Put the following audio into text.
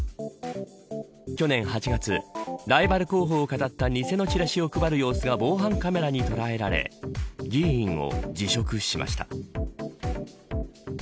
去年８月ライバル候補をかたった偽のチラシを配る様子が防犯カメラに捉えられ議員を辞職しました。